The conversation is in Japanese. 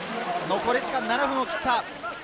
残り時間７分を切った。